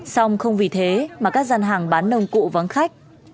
xong không vì thế mà các gian hàng bán nông cụ vắng khách